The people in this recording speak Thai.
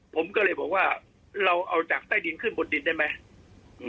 ผมก็เลยบอกว่าเราเอาจากใต้ดินขึ้นบนดินได้ไหม